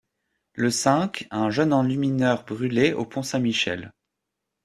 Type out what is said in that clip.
Le cinq, un jeune enlumineur brûlé au pont Saint-Michel.